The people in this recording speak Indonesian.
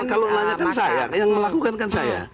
kalau nanya kan saya yang melakukan kan saya